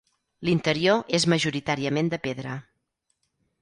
L'interior és majoritàriament de pedra.